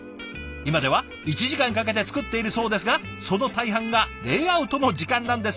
今では１時間かけて作っているそうですがその大半がレイアウトの時間なんですって。